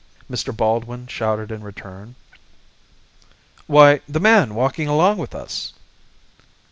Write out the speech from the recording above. Mr. Baldwin shouted in return. "Why, the man walking along with us!"